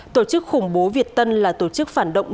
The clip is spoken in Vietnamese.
tổ chức khủng bố việt tân là tổ chức phản động